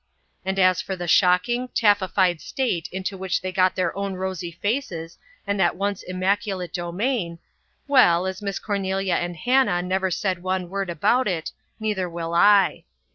And as for the shocking, taffyfied state into which they got their own rosy faces and that once immaculate domain well, as Miss Cornelia and Hannah never said one word about it, neither will I.